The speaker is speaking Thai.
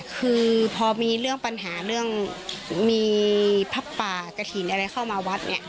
คือพอมีเรื่องปัญหาเรื่องมีพับป่ากระถีนเข้ามาวัด